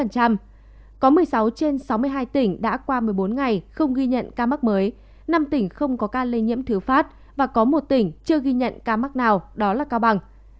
có một mươi sáu trên sáu mươi hai tỉnh đã qua một mươi bốn ngày không ghi nhận ca mắc mới năm tỉnh không có ca lây nhiễm thứ phát và có một tỉnh chưa ghi nhận ca mắc nào đó là cao bằng